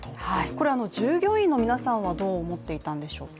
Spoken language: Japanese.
これは従業員の皆さんはどう思っていたんでしょうか？